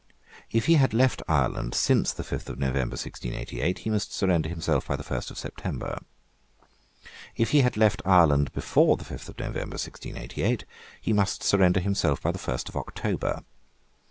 If he had left Ireland since the fifth of November 1688, he must surrender himself by the first of September. If he had left Ireland before the fifth of November 1688, he must surrender himself by the first of October.